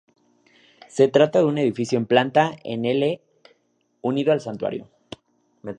Se trata de un edificio en planta en ele unido al santuario.